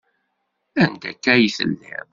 Anda akka ay telliḍ?